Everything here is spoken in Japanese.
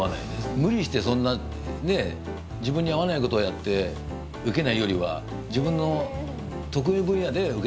無理してそんなね自分に合わないことをやってウケないよりは自分の得意分野でウケた方がいいじゃないですか。